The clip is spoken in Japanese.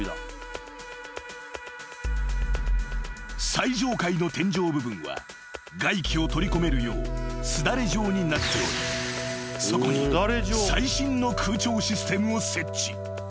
［最上階の天井部分は外気を取り込めるようすだれ状になっておりそこに最新の空調システムを設置］